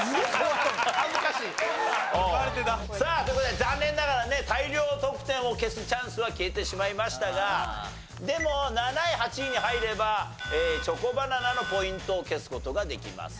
さあという事で残念ながらね大量得点を消すチャンスは消えてしまいましたがでも７位８位に入ればチョコバナナのポイントを消す事ができます。